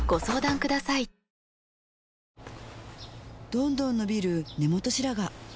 どんどん伸びる根元白髪